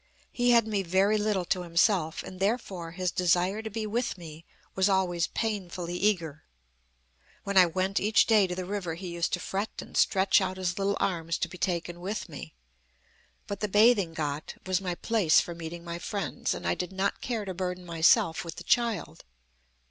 He had me very little to himself, and therefore his desire to be with me was always painfully eager. When I went each day to the river, he used to fret and stretch out his little arms to be taken with me. But the bathing ghal was my place for meeting my friends, and I did not care to burden myself with the child.